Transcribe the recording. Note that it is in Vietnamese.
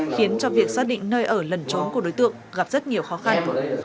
khiến cho việc xác định nơi ở lần trốn của đối tượng gặp rất nhiều khó khăn